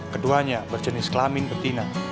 keduanya berjenis kelamin betina